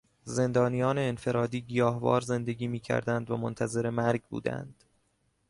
زندانیان انفرادی گیاهوار زندگی میکردند و منتظر مرگ بودند.